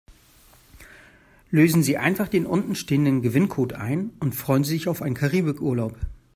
Lösen Sie einfach den unten stehenden Gewinncode ein und freuen Sie sich auf einen Karibikurlaub.